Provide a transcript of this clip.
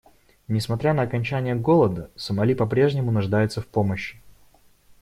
Несмотря на окончание голода, Сомали по-прежнему нуждается в помощи.